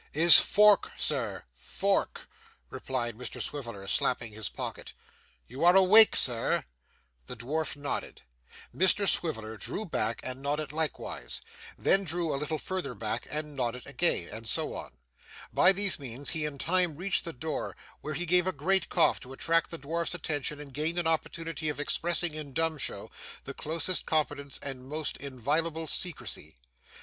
'Is fork, sir, fork,' replied Mr Swiveller slapping his pocket. 'You are awake, sir?' The dwarf nodded. Mr Swiveller drew back and nodded likewise, then drew a little further back and nodded again, and so on. By these means he in time reached the door, where he gave a great cough to attract the dwarf's attention and gain an opportunity of expressing in dumb show, the closest confidence and most inviolable secrecy.